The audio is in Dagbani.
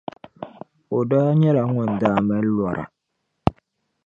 o daa nyɛla ŋun daa mali lɔra.